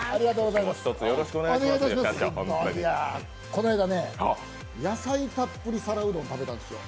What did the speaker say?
この間ね、野菜たっぷり皿うどんを食べたんですよ。